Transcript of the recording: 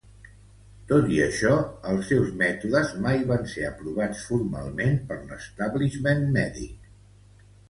Tot i això, els seus mètodes mai van ser aprovats formalment per l'"establishment" mèdic.